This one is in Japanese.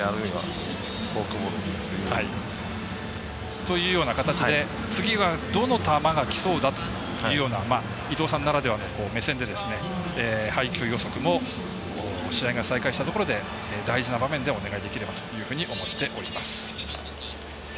フォークとかね。というような形で次はどの球がきそうだというような伊東さんならではの目線で配球予測も試合が再開したところで大事な場面でお願いできればというふうに思っております。